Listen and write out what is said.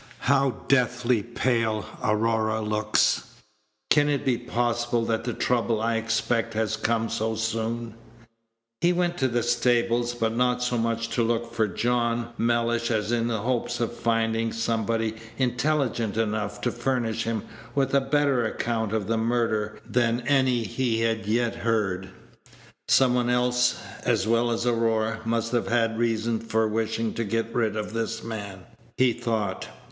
How deathly pale Aurora looks! Can it be possible that the trouble I expected has come so soon?" He went to the stables, but not so much to look for John Mellish as in the hope of finding somebody intelligent enough to furnish him with a better account of the murder than any he had yet heard. "Some one else, as well as Aurora, must have had a reason for wishing to get rid of this man," he thought.